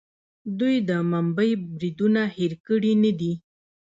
دوی د ممبۍ بریدونه هیر کړي نه دي.